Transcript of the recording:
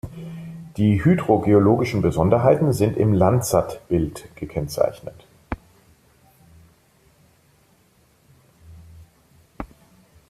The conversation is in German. Die hydrogeologischen Besonderheiten sind im Landsat-Bild gekennzeichnet.